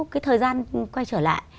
cái thời gian quay trở lại